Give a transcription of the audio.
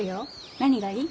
何がいい？